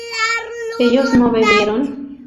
¿ellos no bebieron?